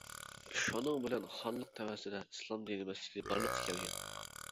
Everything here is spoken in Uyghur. شۇنىڭ بىلەن خانلىق تەۋەسىدە ئىسلام دىنى مەسچىتى بارلىققا كەلگەن.